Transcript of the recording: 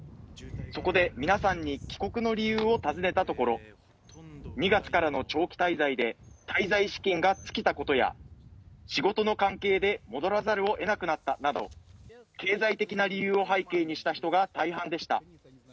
そこで皆さんに帰国の理由を尋ねたところ、２月からの長期滞在で滞在資金が尽きたことや仕事の関係で戻らざるを得なくなったなど、経済的な理由を背景にした人が大半でした。